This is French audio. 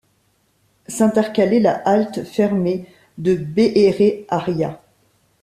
S'intercalait la halte fermée de Béhéréharia.